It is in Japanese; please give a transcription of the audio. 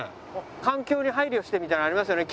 「環境に配慮して」みたいなのありますよね。